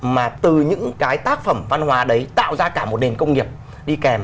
mà từ những cái tác phẩm văn hóa đấy tạo ra cả một nền công nghiệp đi kèm